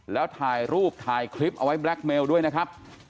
แล้วถ่ายรูปถ่ายคลิปเอาไว้แบล็คเมลด้วยนะครับ